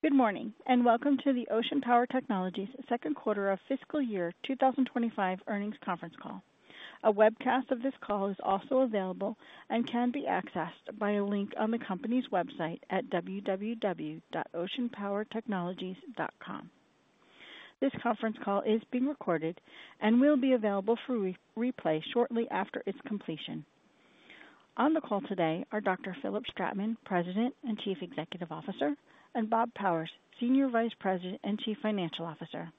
Good morning, and welcome to the Ocean Power Technologies second quarter of fiscal year 2025 earnings conference call. A webcast of this call is also available and can be accessed by a link on the company's website at www.oceanpowertechnologies.com. This conference call is being recorded and will be available for replay shortly after its completion. On the call today are Dr. Philipp Stratmann, President and Chief Executive Officer, and Bob Powers, Senior Vice President and Chief Financial Officer.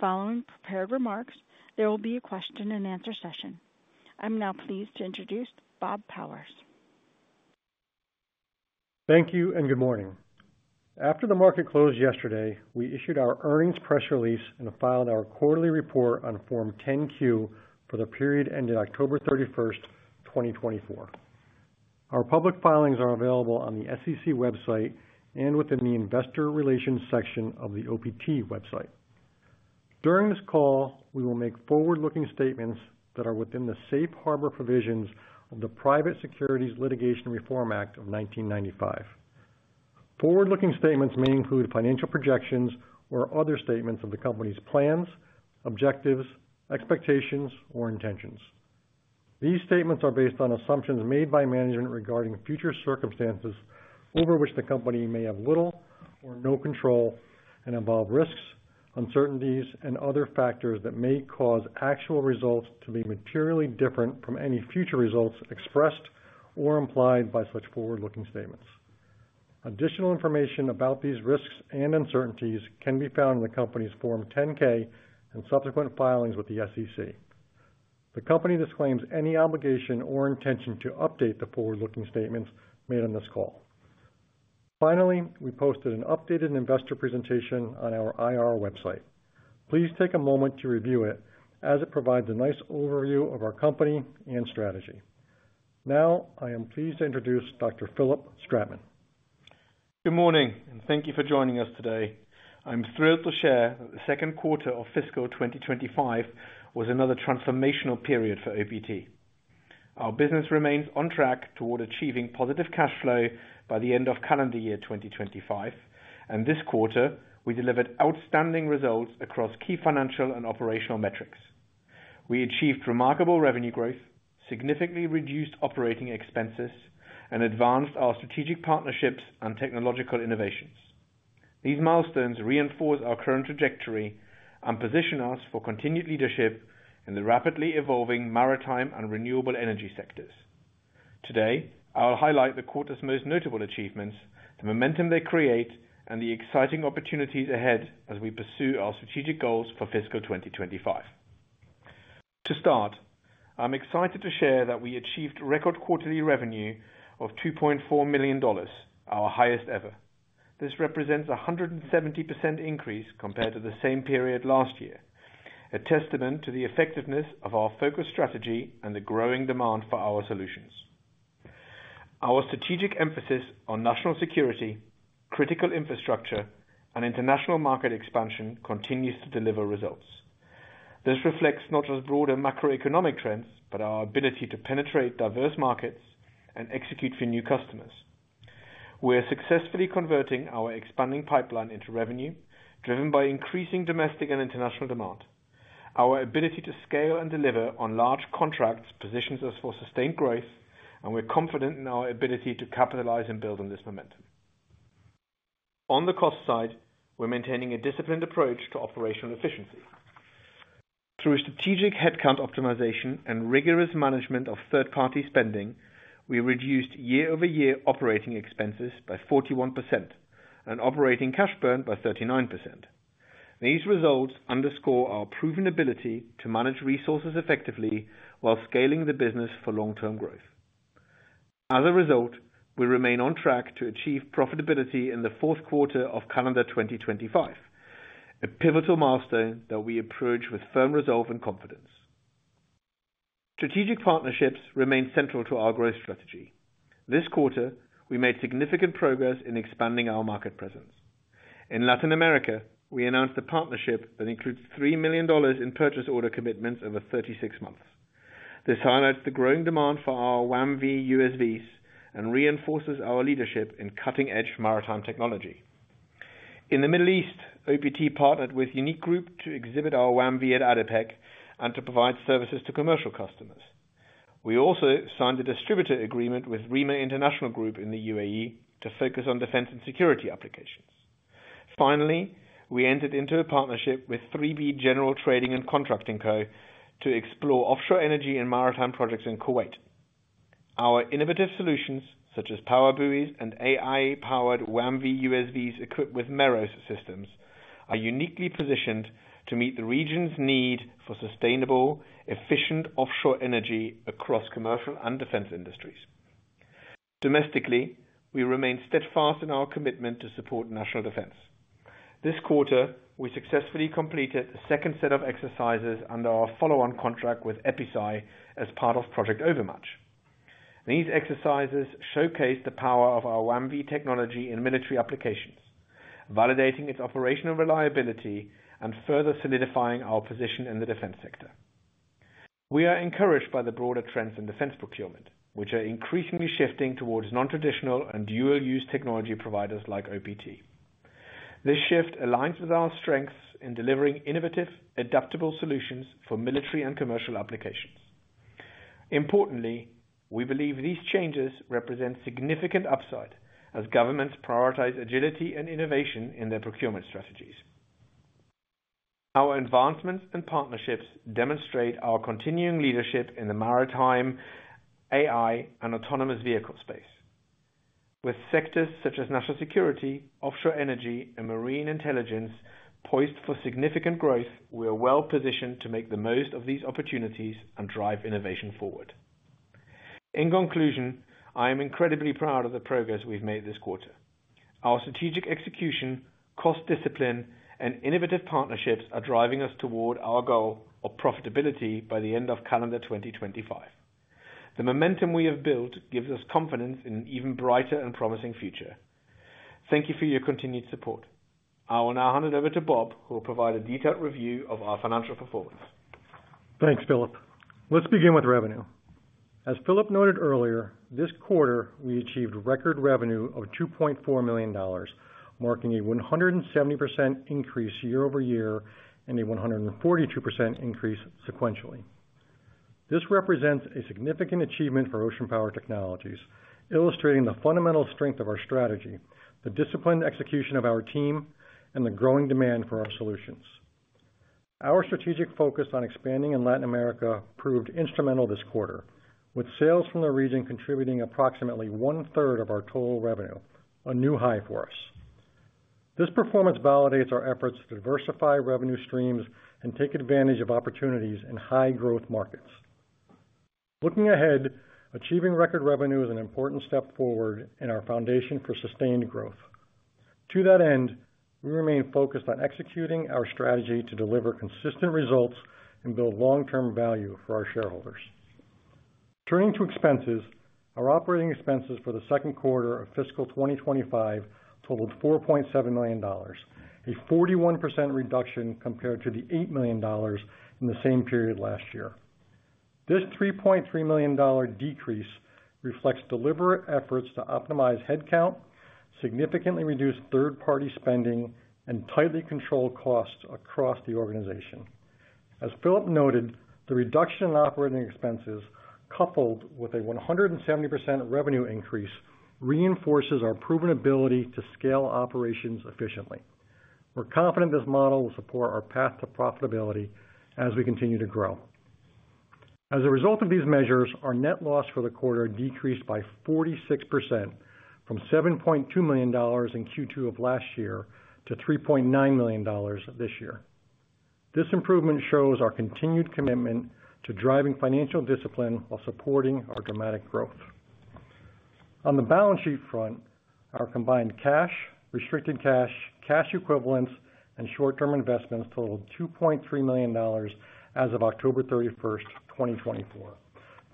Following prepared remarks, there will be a question-and-answer session. I'm now pleased to introduce Bob Powers. Thank you, and good morning. After the market closed yesterday, we issued our earnings press release and filed our quarterly report on Form 10-Q for the period ended October 31, 2024. Our public filings are available on the SEC website and within the investor relations section of the OPT website. During this call, we will make forward-looking statements that are within the safe harbor provisions of the Private Securities Litigation Reform Act of 1995. Forward-looking statements may include financial projections or other statements of the company's plans, objectives, expectations, or intentions. These statements are based on assumptions made by management regarding future circumstances over which the company may have little or no control and involve risks, uncertainties, and other factors that may cause actual results to be materially different from any future results expressed or implied by such forward-looking statements. Additional information about these risks and uncertainties can be found in the company's Form 10-K and subsequent filings with the SEC. The company disclaims any obligation or intention to update the forward-looking statements made on this call. Finally, we posted an updated investor presentation on our IR website. Please take a moment to review it, as it provides a nice overview of our company and strategy. Now, I am pleased to introduce Dr. Philipp Stratmann. Good morning, and thank you for joining us today. I'm thrilled to share that the second quarter of fiscal 2025 was another transformational period for OPT. Our business remains on track toward achieving positive cash flow by the end of calendar year 2025, and this quarter, we delivered outstanding results across key financial and operational metrics. We achieved remarkable revenue growth, significantly reduced operating expenses, and advanced our strategic partnerships and technological innovations. These milestones reinforce our current trajectory and position us for continued leadership in the rapidly evolving maritime and renewable energy sectors. Today, I'll highlight the quarter's most notable achievements, the momentum they create, and the exciting opportunities ahead as we pursue our strategic goals for fiscal 2025. To start, I'm excited to share that we achieved record quarterly revenue of $2.4 million, our highest ever. This represents a 170% increase compared to the same period last year, a testament to the effectiveness of our focused strategy and the growing demand for our solutions. Our strategic emphasis on national security, critical infrastructure, and international market expansion continues to deliver results. This reflects not just broader macroeconomic trends but our ability to penetrate diverse markets and execute for new customers. We're successfully converting our expanding pipeline into revenue, driven by increasing domestic and international demand. Our ability to scale and deliver on large contracts positions us for sustained growth, and we're confident in our ability to capitalize and build on this momentum. On the cost side, we're maintaining a disciplined approach to operational efficiency. Through strategic headcount optimization and rigorous management of third-party spending, we reduced year-over-year operating expenses by 41% and operating cash burn by 39%. These results underscore our proven ability to manage resources effectively while scaling the business for long-term growth. As a result, we remain on track to achieve profitability in the Q4 of calendar 2025, a pivotal milestone that we approach with firm resolve and confidence. Strategic partnerships remain central to our growth strategy. This quarter, we made significant progress in expanding our market presence. In Latin America, we announced a partnership that includes $3 million in purchase order commitments over 36 months. This highlights the growing demand for our WAM-V USVs and reinforces our leadership in cutting-edge maritime technology. In the Middle East, OPT partnered with Unique Group to exhibit our WAM-V at ADIPEC and to provide services to commercial customers. We also signed a distributor agreement with Remah International Group in the UAE to focus on defense and security applications. Finally, we entered into a partnership with 3B General Trading and Contracting Co. to explore offshore energy and maritime projects in Kuwait. Our innovative solutions, such as PowerBuoy and AI-powered WAM-V USVs equipped with Merrows systems, are uniquely positioned to meet the region's need for sustainable, efficient offshore energy across commercial and defense industries. Domestically, we remain steadfast in our commitment to support national defense. This quarter, we successfully completed the second set of exercises under our follow-on contract with EpiSci as part of Project Overmatch. These exercises showcase the power of our WAM-V technology in military applications, validating its operational reliability and further solidifying our position in the defense sector. We are encouraged by the broader trends in defense procurement, which are increasingly shifting towards non-traditional and dual-use technology providers like OPT. This shift aligns with our strengths in delivering innovative, adaptable solutions for military and commercial applications. Importantly, we believe these changes represent significant upside as governments prioritize agility and innovation in their procurement strategies. Our advancements and partnerships demonstrate our continuing leadership in the maritime, AI, and autonomous vehicle space. With sectors such as national security, offshore energy, and marine intelligence poised for significant growth, we are well-positioned to make the most of these opportunities and drive innovation forward. In conclusion, I am incredibly proud of the progress we've made this quarter. Our strategic execution, cost discipline, and innovative partnerships are driving us toward our goal of profitability by the end of calendar 2025. The momentum we have built gives us confidence in an even brighter and promising future. Thank you for your continued support. I will now hand it over to Bob, who will provide a detailed review of our financial performance. Thanks, Philipp. Let's begin with revenue. As Philipp noted earlier, this quarter, we achieved record revenue of $2.4 million, marking a 170% increase year-over-year and a 142% increase sequentially. This represents a significant achievement for Ocean Power Technologies, illustrating the fundamental strength of our strategy, the disciplined execution of our team, and the growing demand for our solutions. Our strategic focus on expanding in Latin America proved instrumental this quarter, with sales from the region contributing approximately one-third of our total revenue, a new high for us. This performance validates our efforts to diversify revenue streams and take advantage of opportunities in high-growth markets. Looking ahead, achieving record revenue is an important step forward in our foundation for sustained growth. To that end, we remain focused on executing our strategy to deliver consistent results and build long-term value for our shareholders. Turning to expenses, our operating expenses for the second quarter of fiscal 2025 totaled $4.7 million, a 41% reduction compared to the $8 million in the same period last year. This $3.3 million decrease reflects deliberate efforts to optimize headcount, significantly reduce third-party spending, and tightly control costs across the organization. As Philipp noted, the reduction in operating expenses, coupled with a 170% revenue increase, reinforces our proven ability to scale operations efficiently. We're confident this model will support our path to profitability as we continue to grow. As a result of these measures, our net loss for the quarter decreased by 46% from $7.2 million in Q2 of last year to $3.9 million this year. This improvement shows our continued commitment to driving financial discipline while supporting our dramatic growth. On the balance sheet front, our combined cash, restricted cash, cash equivalents, and short-term investments totaled $2.3 million as of October 31st, 2024,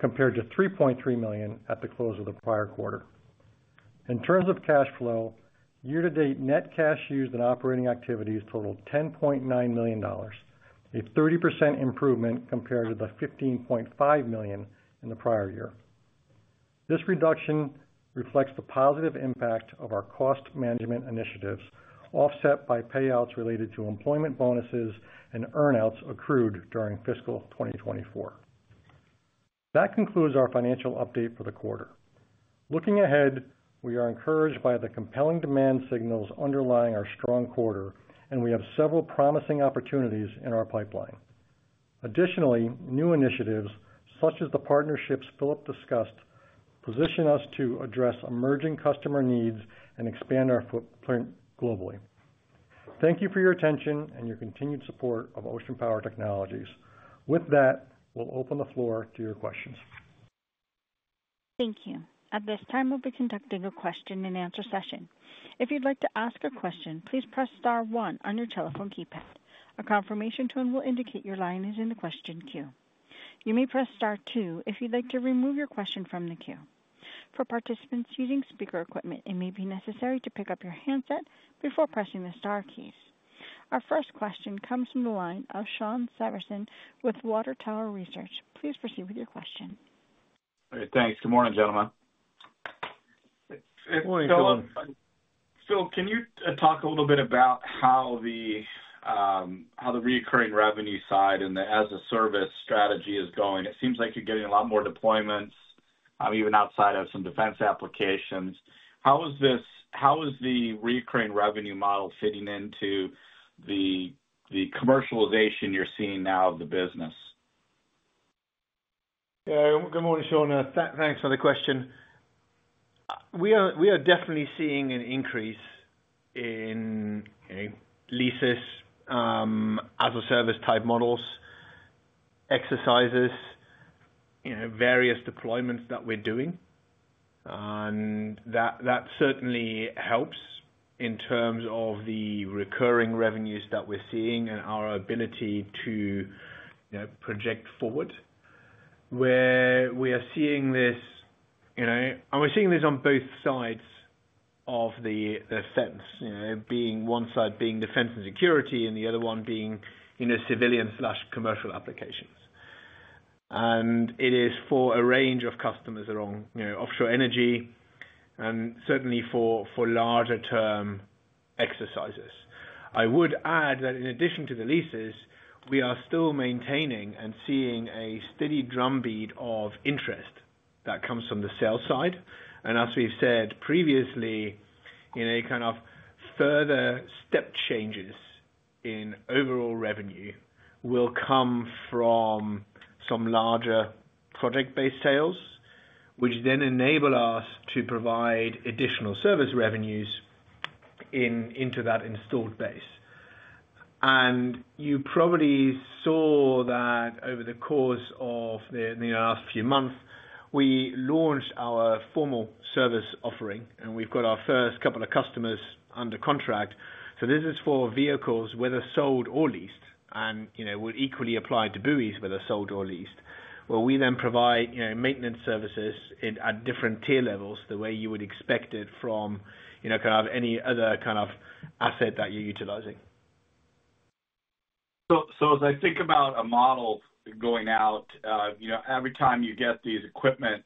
compared to $3.3 million at the close of the prior quarter. In terms of cash flow, year-to-date net cash used in operating activities totaled $10.9 million, a 30% improvement compared to the $15.5 million in the prior year. This reduction reflects the positive impact of our cost management initiatives, offset by payouts related to employment bonuses and earnouts accrued during fiscal 2024. That concludes our financial update for the quarter. Looking ahead, we are encouraged by the compelling demand signals underlying our strong quarter, and we have several promising opportunities in our pipeline. Additionally, new initiatives, such as the partnerships Philipp discussed, position us to address emerging customer needs and expand our footprint globally. Thank you for your attention and your continued support of Ocean Power Technologies. With that, we'll open the floor to your questions. Thank you. At this time, we'll be conducting a question-and-answer session. If you'd like to ask a question, please press star one on your telephone keypad. A confirmation tone will indicate your line is in the question queue. You may press star two if you'd like to remove your question from the queue. For participants using speaker equipment, it may be necessary to pick up your handset before pressing the star keys. Our first question comes from the line of Shawn Severson with Water Tower Research. Please proceed with your question. All right. Thanks. Good morning, gentlemen. Good morning, Philipp. Philipp, can you talk a little bit about how the recurring revenue side and the as-a-service strategy is going? It seems like you're getting a lot more deployments, even outside of some defense applications. How is the recurring revenue model fitting into the commercialization you're seeing now of the business? Yeah. Good morning, Shawn. Thanks for the question. We are definitely seeing an increase in leases, as-a-service type models, exercises, various deployments that we're doing. And that certainly helps in terms of the recurring revenues that we're seeing and our ability to project forward. We are seeing this, and we're seeing this on both sides of the fence, being one side being defense and security and the other one being in the civilian/commercial applications. And it is for a range of customers along offshore energy and certainly for larger-term exercises. I would add that in addition to the leases, we are still maintaining and seeing a steady drumbeat of interest that comes from the sales side. And as we've said previously, kind of further step changes in overall revenue will come from some larger project-based sales, which then enable us to provide additional service revenues into that installed base. You probably saw that over the course of the last few months, we launched our formal service offering, and we've got our first couple of customers under contract. This is for vehicles, whether sold or leased, and would equally apply to buoys, whether sold or leased, where we then provide maintenance services at different tier levels, the way you would expect it from kind of any other kind of asset that you're utilizing. So as I think about a model going out, every time you get these equipment,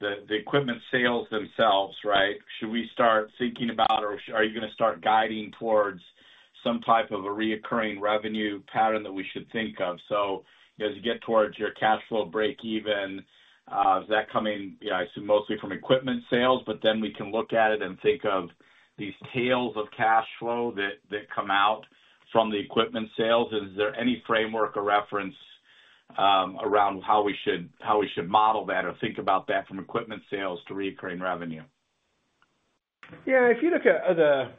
the equipment sales themselves, right, should we start thinking about, or are you going to start guiding towards some type of a recurring revenue pattern that we should think of? So as you get towards your cash flow break-even, is that coming, I assume, mostly from equipment sales, but then we can look at it and think of these tails of cash flow that come out from the equipment sales? And is there any framework or reference around how we should model that or think about that from equipment sales to recurring revenue? Yeah. If you look at other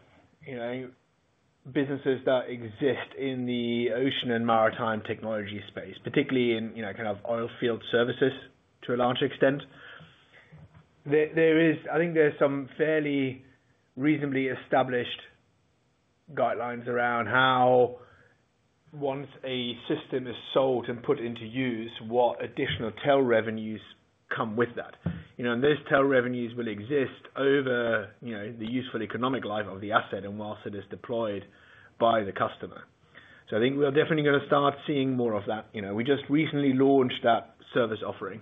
businesses that exist in the ocean and maritime technology space, particularly in kind of oil field services to a large extent, I think there's some fairly reasonably established guidelines around how, once a system is sold and put into use, what additional tail revenues come with that, and those tail revenues will exist over the useful economic life of the asset and whilst it is deployed by the customer, so I think we're definitely going to start seeing more of that. We just recently launched that service offering,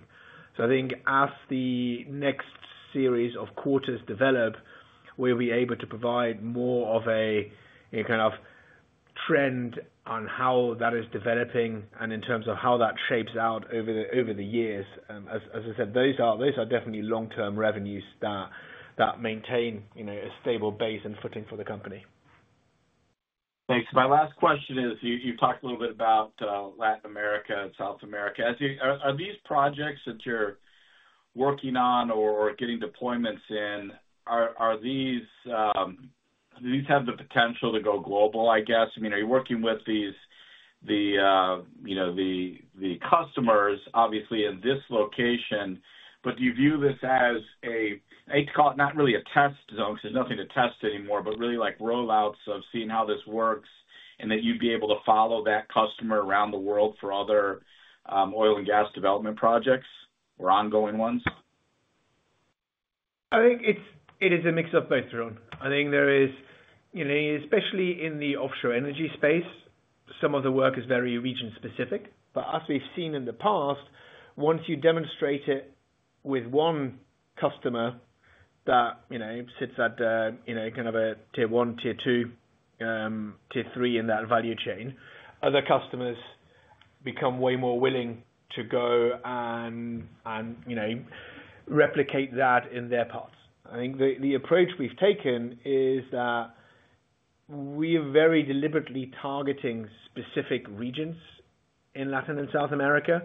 so I think as the next series of quarters develop, we'll be able to provide more of a kind of trend on how that is developing and in terms of how that shapes out over the years. As I said, those are definitely long-term revenues that maintain a stable base and footing for the company. Thanks. My last question is, you've talked a little bit about Latin America and South America. Are these projects that you're working on or getting deployments in, do these have the potential to go global, I guess? I mean, are you working with the customers, obviously, in this location, but do you view this as a, I hate to call it not really a test zone because there's nothing to test anymore, but really like rollouts of seeing how this works and that you'd be able to follow that customer around the world for other oil and gas development projects or ongoing ones? I think it is a mix of both, Shawn. I think there is, especially in the offshore energy space, some of the work is very region-specific, but as we've seen in the past, once you demonstrate it with one customer that sits at kind of a tier one, tier two, tier three in that value chain, other customers become way more willing to go and replicate that in their parts. I think the approach we've taken is that we are very deliberately targeting specific regions in Latin and South America.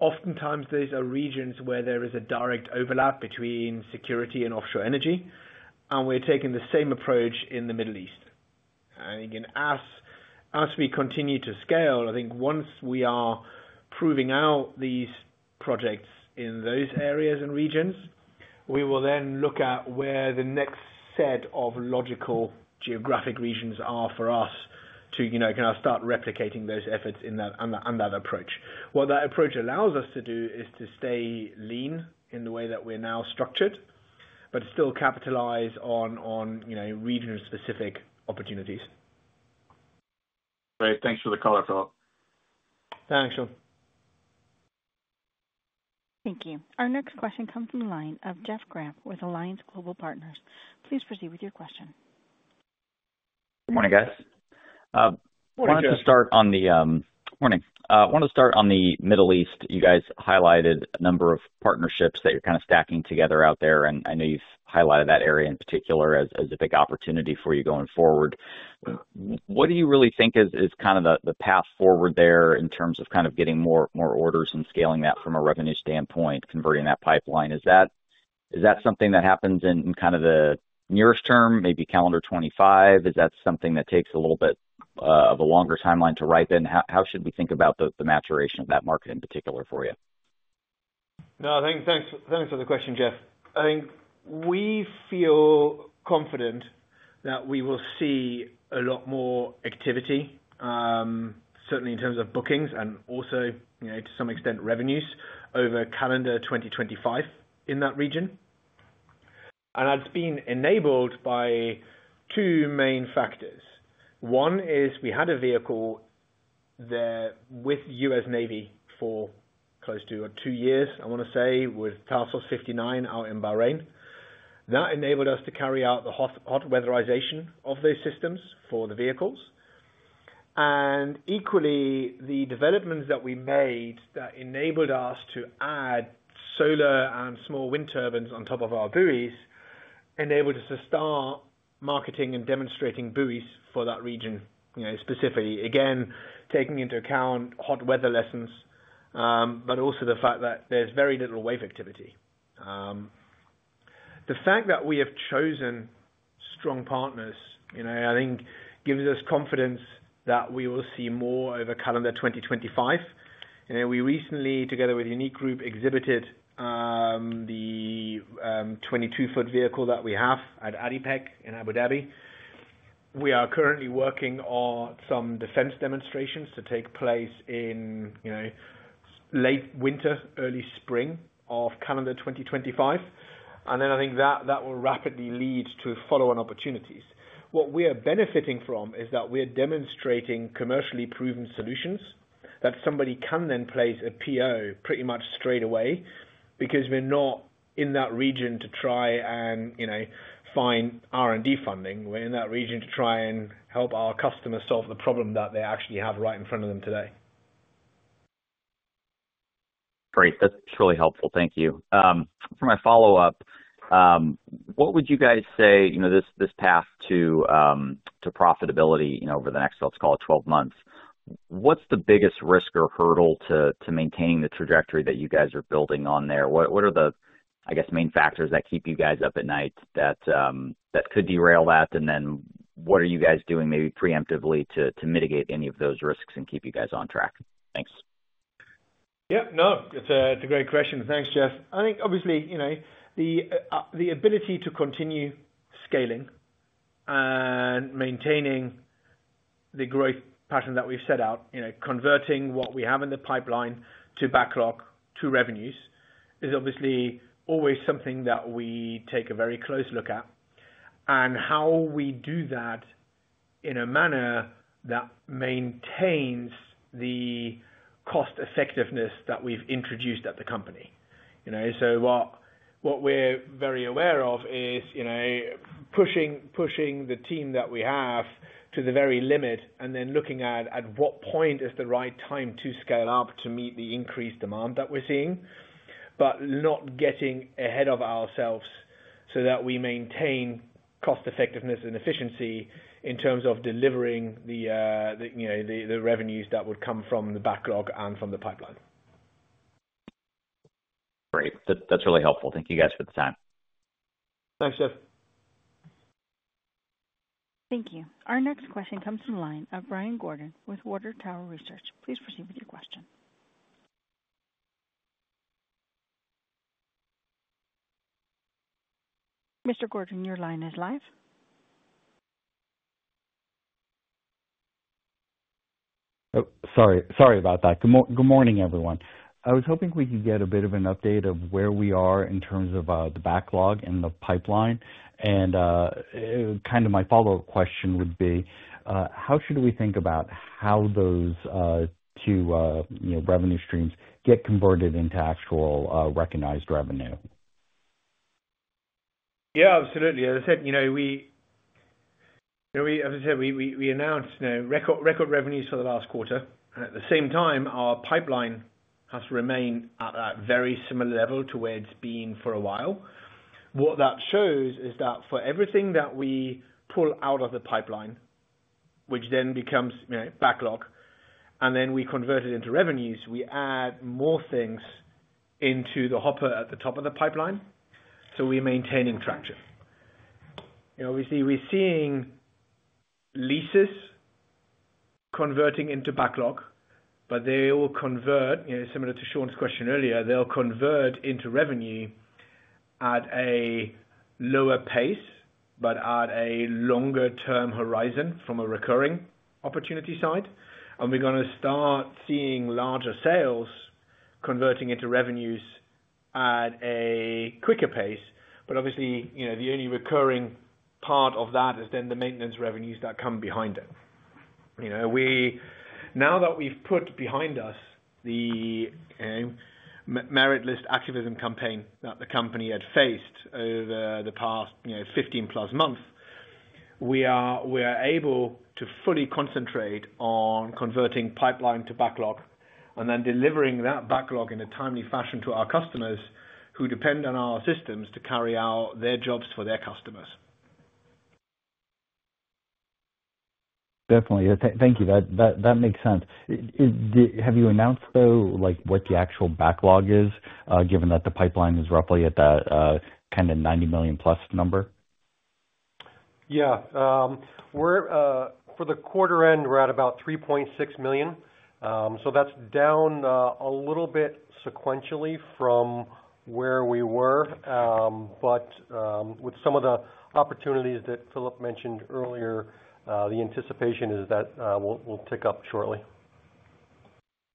Oftentimes, there's a region where there is a direct overlap between security and offshore energy, and we're taking the same approach in the Middle East. And again, as we continue to scale, I think once we are proving out these projects in those areas and regions, we will then look at where the next set of logical geographic regions are for us to kind of start replicating those efforts in that approach. What that approach allows us to do is to stay lean in the way that we're now structured, but still capitalize on region-specific opportunities. Great. Thanks for the color talk. Thanks, Shawn. Thank you. Our next question comes from the line of Jeff Grant with Alliance Global Partners. Please proceed with your question. Good morning, guys. I wanted to start on the Middle East. You guys highlighted a number of partnerships that you're kind of stacking together out there, and I know you've highlighted that area in particular as a big opportunity for you going forward. What do you really think is kind of the path forward there in terms of kind of getting more orders and scaling that from a revenue standpoint, converting that pipeline? Is that something that happens in kind of the nearest term, maybe calendar 2025? Is that something that takes a little bit of a longer timeline to ripen? How should we think about the maturation of that market in particular for you? No, thanks for the question, Jeff. I think we feel confident that we will see a lot more activity, certainly in terms of bookings and also, to some extent, revenues over calendar 2025 in that region. And that's been enabled by two main factors. One is we had a vehicle there with US Navy for close to two years, I want to say, with Task Force 59 out in Bahrain. That enabled us to carry out the hot weatherization of those systems for the vehicles. And equally, the developments that we made that enabled us to add solar and small wind turbines on top of our buoys enabled us to start marketing and demonstrating buoys for that region specifically, again, taking into account hot weather lessons, but also the fact that there's very little wave activity. The fact that we have chosen strong partners, I think, gives us confidence that we will see more over calendar 2025. We recently, together with Unique Group, exhibited the 22-foot vehicle that we have at ADIPEC in Abu Dhabi. We are currently working on some defense demonstrations to take place in late winter, early spring of calendar 2025, and then I think that will rapidly lead to follow-on opportunities. What we are benefiting from is that we are demonstrating commercially proven solutions that somebody can then place a PO pretty much straight away because we're not in that region to try and find R&D funding. We're in that region to try and help our customers solve the problem that they actually have right in front of them today. Great. That's really helpful. Thank you. For my follow-up, what would you guys say this path to profitability over the next, let's call it, 12 months, what's the biggest risk or hurdle to maintaining the trajectory that you guys are building on there? What are the, I guess, main factors that keep you guys up at night that could derail that? And then what are you guys doing maybe preemptively to mitigate any of those risks and keep you guys on track? Thanks. Yep. No, it's a great question. Thanks, Jeff. I think, obviously, the ability to continue scaling and maintaining the growth pattern that we've set out, converting what we have in the pipeline to backlog to revenues is obviously always something that we take a very close look at and how we do that in a manner that maintains the cost-effectiveness that we've introduced at the company. So what we're very aware of is pushing the team that we have to the very limit and then looking at what point is the right time to scale up to meet the increased demand that we're seeing, but not getting ahead of ourselves so that we maintain cost-effectiveness and efficiency in terms of delivering the revenues that would come from the backlog and from the pipeline. Great. That's really helpful. Thank you guys for the time. Thanks, Jeff. Thank you. Our next question comes from the line of Brian Gordon with Water Tower Research. Please proceed with your question. Mr. Gordon, your line is live. Oh, sorry. Sorry about that. Good morning, everyone. I was hoping we could get a bit of an update of where we are in terms of the backlog and the pipeline. And kind of my follow-up question would be, how should we think about how those two revenue streams get converted into actual recognized revenue? Yeah, absolutely. As I said, we announced record revenues for the last quarter. At the same time, our pipeline has to remain at that very similar level to where it's been for a while. What that shows is that for everything that we pull out of the pipeline, which then becomes backlog, and then we convert it into revenues, we add more things into the hopper at the top of the pipeline. So we're maintaining traction. Obviously, we're seeing leases converting into backlog, but they will convert similar to Shawn's question earlier, they'll convert into revenue at a lower pace, but at a longer-term horizon from a recurring opportunity side, and we're going to start seeing larger sales converting into revenues at a quicker pace, but obviously, the only recurring part of that is then the maintenance revenues that come behind it. Now that we've put behind us the meritless activism campaign that the company had faced over the past 15-plus months, we are able to fully concentrate on converting pipeline to backlog and then delivering that backlog in a timely fashion to our customers who depend on our systems to carry out their jobs for their customers. Definitely. Thank you. That makes sense. Have you announced though what the actual backlog is, given that the pipeline is roughly at that kind of 90 million-plus number? Yeah. For the quarter end, we're at about $3.6 million. So that's down a little bit sequentially from where we were, but with some of the opportunities that Philipp mentioned earlier, the anticipation is that we'll tick up shortly.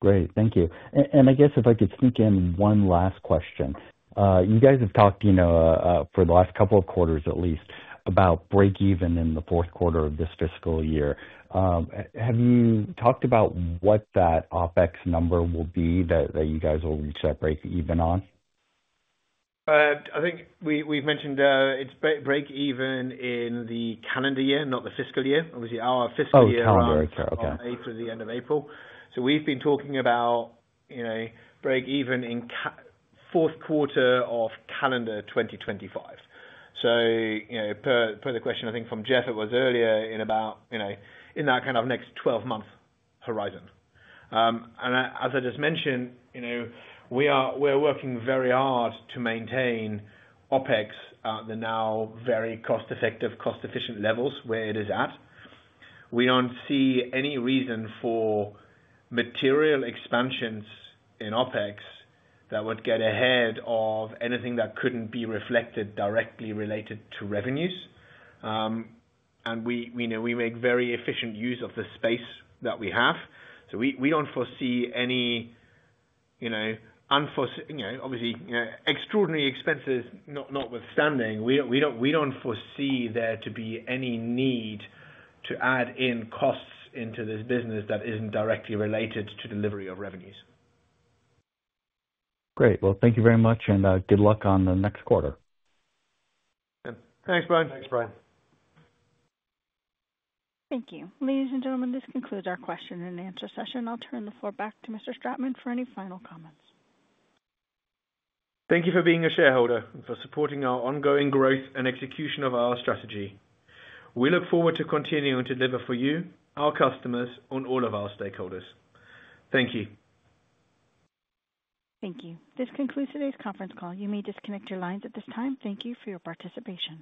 Great. Thank you. And I guess if I could sneak in one last question. You guys have talked for the last couple of quarters at least about break-even in the Q4 of this fiscal year. Have you talked about what that OpEx number will be that you guys will reach that break-even on? I think we've mentioned it's break-even in the calendar year, not the fiscal year. Obviously, our fiscal year is on April 8th or the end of April. So we've been talking about break-even in Q4 of calendar 2025. So per the question, I think from Jeff, it was earlier in about that kind of next 12-month horizon. And as I just mentioned, we are working very hard to maintain OpEx at the now very cost-effective, cost-efficient levels where it is at. We don't see any reason for material expansions in OpEx that would get ahead of anything that couldn't be reflected directly related to revenues. And we make very efficient use of the space that we have. We don't foresee any obviously extraordinary expenses, notwithstanding. We don't foresee there to be any need to add in costs into this business that isn't directly related to delivery of revenues. Great. Well, thank you very much, and good luck on the next quarter. Thanks, Brian. Thanks, Brian. Thank you. Ladies and gentlemen, this concludes our question and answer session. I'll turn the floor back to Mr. Stratmann for any final comments. Thank you for being a shareholder and for supporting our ongoing growth and execution of our strategy. We look forward to continuing to deliver for you, our customers, and all of our stakeholders. Thank you. Thank you. This concludes today's conference call. You may disconnect your lines at this time. Thank you for your participation.